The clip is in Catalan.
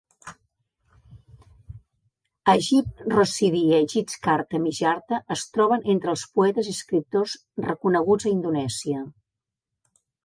Ajip Rosidi i Achdiat Karta Mihardja es troben entre els poetes i escriptors reconeguts a Indonèsia.